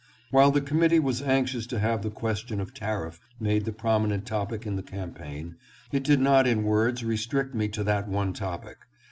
While the committee was anxious to have the ques tion of tariff made the prominent topic in the campaign, it did not in words restrict me to that one topic.